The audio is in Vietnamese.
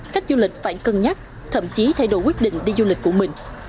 khách du lịch phải cân nhắc thậm chí thay đổi quyết định đi du lịch của mình